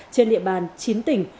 trên địa bàn chín tỉnh